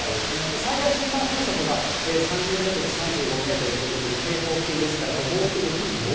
最大瞬間風速が３０メートル、３５メートルということで、警報級ですから、これ、猛吹雪に警戒。